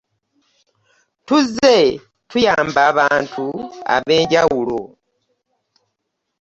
Tuzze tuyamba abantu ab'enjawulo.